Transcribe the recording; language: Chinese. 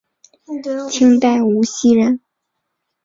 清代无锡人。